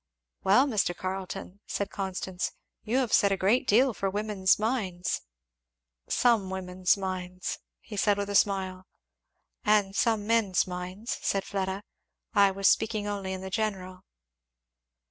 "Well Mr. Carleton!" said Constance, "you have said a great deal for women's minds." "Some women's minds," he said with a smile. "And some men's minds," said Fleda. "I was speaking only in the general."